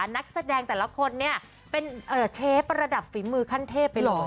นักแสดงแต่ละคนเนี่ยเป็นเชฟระดับฝีมือขั้นเทพไปเหรอ